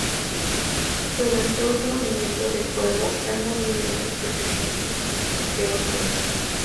Durante un movimiento de un juego hay movimientos que se ejecutan antes que otros.